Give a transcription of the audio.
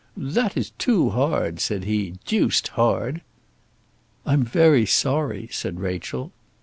"That is too hard," said he; "deuced hard." "I'm very sorry," said Rachel.